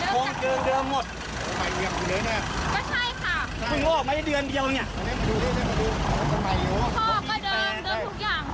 พ่อก็เดิมเดิมทุกอย่าง